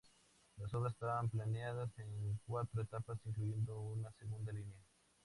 Las obras estaban planeadas en cuatro etapas incluyendo una segunda línea.